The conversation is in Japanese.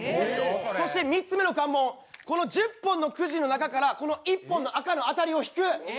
そして３つ目の関門、この１０本のくじの中からこの１本の当たりを引く。